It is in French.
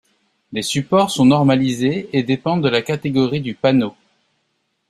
Les supports sont normalisés et dépendent de la catégorie du panneau.